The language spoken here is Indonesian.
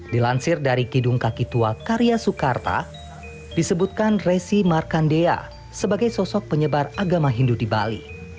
dilansir dari kidung kaki tua karya soekarno disebutkan resi markandea sebagai sosok penyebar agama hindu di bali